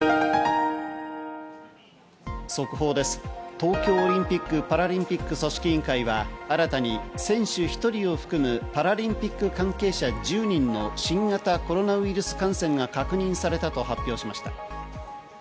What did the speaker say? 東京オリンピック・パラリンピック組織委員会は新たに選手１人を含むパラリンピック関係者１０人の新型コロナウイルス感染が確認されたと発表しました。